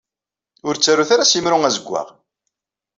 Ur ttarut ara s yimru azeggaɣ!